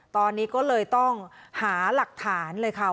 ตอนนี้ก็เลยต้องหาหลักฐานเลยค่ะ